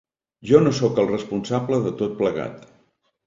Jo no soc el responsable de tot plegat.